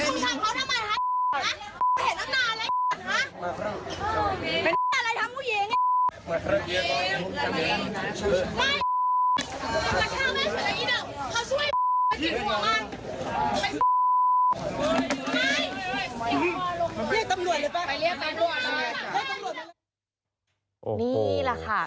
นี่แหละค่ะ